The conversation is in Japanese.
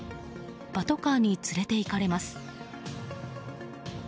パトカーに連れていかれます。